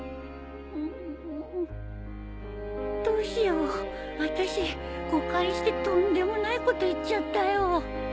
どうしよう私誤解してとんでもないこと言っちゃったよ